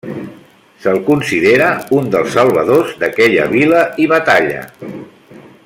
Se'l considera un dels salvadors d'aquella vila i batalla.